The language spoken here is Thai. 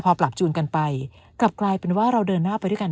พอปรับจูนกันไปกลับกลายเป็นว่าเราเดินหน้าไปด้วยกัน